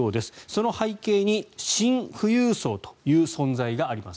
その背景にシン富裕層という存在があります。